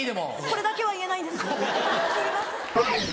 これだけは言えないんですすいません。